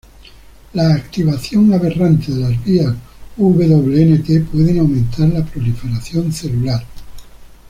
La activación aberrante de las vías Wnt pueden aumentar la proliferación celular.